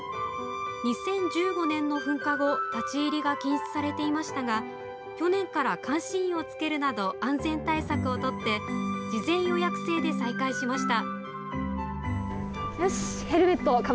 ２０１５年の噴火後、立ち入りが禁止されていましたが去年から監視員をつけるなど安全対策を取って事前予約制で再開しました。